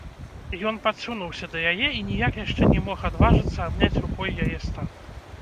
Ён падсунуўся да яе і ніяк яшчэ не мог адважыцца абняць рукой яе стан.